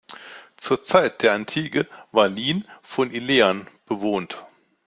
Zur Zeit der Antike war Lin von Illyrern bewohnt.